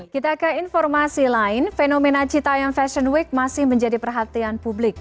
kita ke informasi lain fenomena citaem fashion week masih menjadi perhatian publik